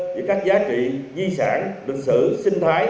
giữa các giá trị di sản lịch sử sinh thái